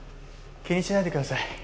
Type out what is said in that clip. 気にしないでください。